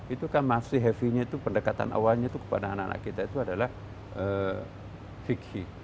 itu kan masih heavy nya itu pendekatan awalnya itu kepada anak anak kita itu adalah fiksi